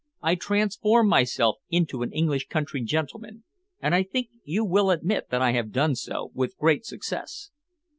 I transform myself into an English country gentleman, and I think you will admit that I have done so with great success."